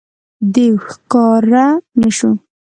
دېو ښکاره نه شو.